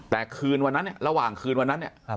แต่คืนวันนั้นเนี่ยระหว่างคืนวันนั้นเนี่ย